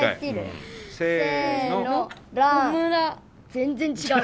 全然違う。